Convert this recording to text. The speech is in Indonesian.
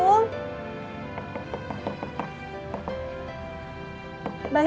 ya itu dong